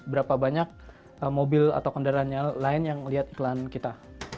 berapa banyak mobil atau kendaraan lain yang melihat iklan kita